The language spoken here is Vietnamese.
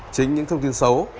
chính những thông tin xấu